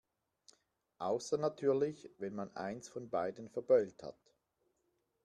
Außer natürlich, wenn man eins von beiden verbeult hat.